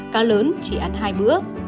cá lớn chỉ ăn hai bữa